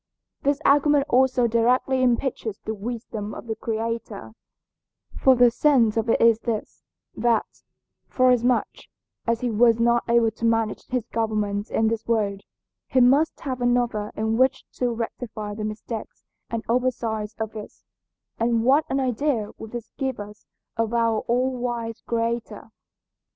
This argument also directly impeaches the wisdom of the Creator, for the sense of it is this, that, forasmuch as he was not able to manage his government in this world, he must have another in which to rectify the mistakes and oversights of this, and what an idea would this give us of our All wise Creator?